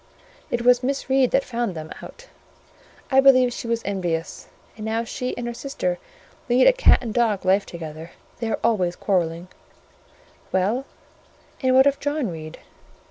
It was Miss Reed that found them out: I believe she was envious; and now she and her sister lead a cat and dog life together; they are always quarrelling—" "Well, and what of John Reed?"